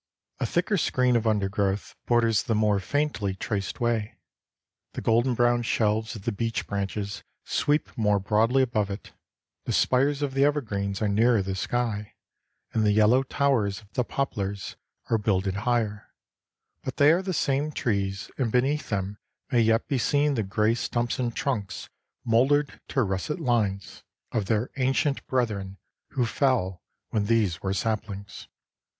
A thicker screen of undergrowth borders the more faintly traced way. The golden brown shelves of the beech branches sweep more broadly above it, the spires of the evergreens are nearer the sky, and the yellow towers of the poplars are builded higher, but they are the same trees and beneath them may yet be seen the gray stumps and trunks mouldered to russet lines, of their ancient brethren who fell when these were saplings.